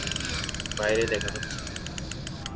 বাইরে দেখা হচ্ছে।